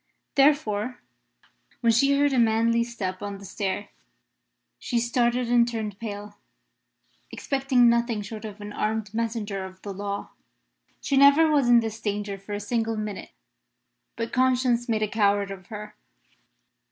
Therefore, when she heard a manly step on the stair, she started and turned pale, expecting nothing short of an armed messenger of the law. She never was in this danger for a single minute, but conscience made a coward of her.